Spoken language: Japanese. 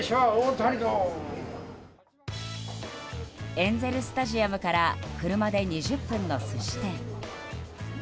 エンゼル・スタジアムから車で２０分の寿司店。